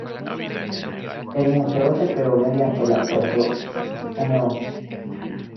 El Museo se creó mediante el acuerdo No.